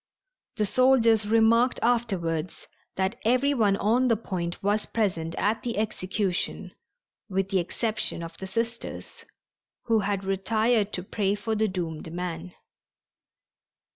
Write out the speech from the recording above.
The soldiers remarked afterwards that every one on the Point was present at the execution with the exception of the Sisters, who had retired to pray for the doomed man.